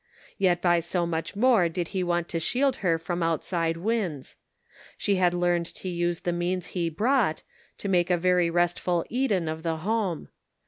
Yet by so much more did he want to shield her from outside winds. She had learned to use the means he brought, to make a very restful Eden of the home.